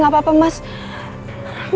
kalian punya kebijaksanaan